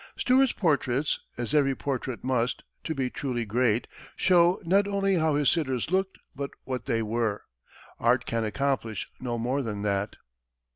Stuart's portraits as every portrait must, to be truly great show not only how his sitters looked but what they were. Art can accomplish no more than that.